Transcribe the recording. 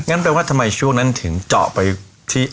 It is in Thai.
งั้นเราก็ทำไมช่วงนั้นถึงเจาะไปที่